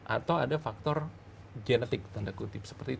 atau ada faktor genetik tanda kutip